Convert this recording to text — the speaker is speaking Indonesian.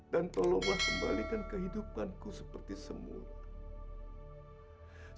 dan tolonglah kembalikan kehidupanku seperti semuanya